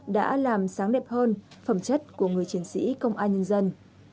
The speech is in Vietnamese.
đã làm sáng đẹp hơn phẩm chất của người chiến sĩ công an nhân dân